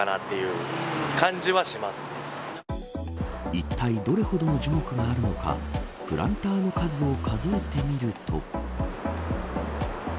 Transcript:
いったいどれほどの樹木があるのかプランターの数を数えてみると。